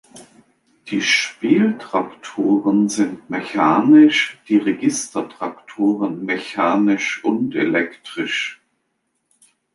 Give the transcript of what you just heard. Die Spieltrakturen sind mechanisch, die Registertrakturen mechanisch und elektrisch.